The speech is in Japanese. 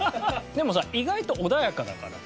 でもさ意外と穏やかだから。